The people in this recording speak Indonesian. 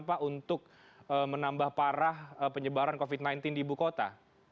pak untuk menambah parah penyebaran covid sembilan belas di ibu kota